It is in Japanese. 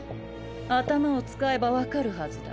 頭を使えばわかるはずだ。